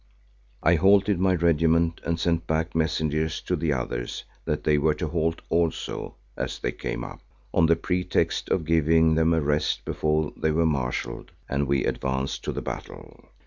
I halted my regiment and sent back messengers to the others that they were to halt also as they came up, on the pretext of giving them a rest before they were marshalled and we advanced to the battle.